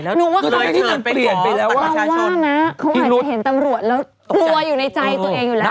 ตรงที่ทำเปลี่ยนไปด่วงแล้วว่าว่าหน๊ะ